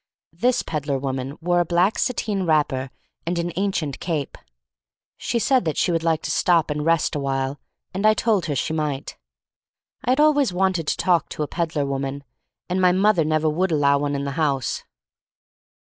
This peddler woman wore a black satine wrapper and an ancient cape. She said that she would like to stop and rest a while, and I told her she might. I had always wanted to talk to a peddler woman, and my mother never would allow one in the house.